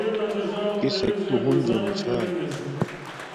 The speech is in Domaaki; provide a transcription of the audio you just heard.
کسک تو ہنزو نو چھاݵ